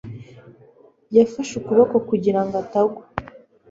Yafashe ukuboko kugira ngo atagwa.